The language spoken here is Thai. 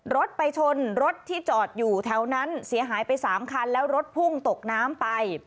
รถไปชนรถที่จอดอยู่แถวนั้นเสียหายไป๓คันแล้วรถพุ่งตกน้ำไป